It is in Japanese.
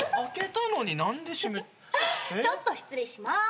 ちょっと失礼しまーす。